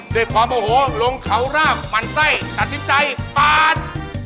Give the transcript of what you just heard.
ด้วยความโอโหลงเขารากมันไส้ตัดสินใจปาด